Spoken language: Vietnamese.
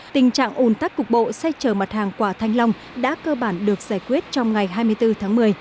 tình trạng ủn tắc cục bộ xe chở mặt hàng quả thanh long đã cơ bản được giải quyết trong ngày hai mươi bốn tháng một mươi